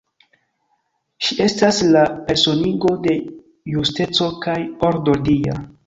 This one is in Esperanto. Ŝi estas la personigo de justeco kaj ordo dia.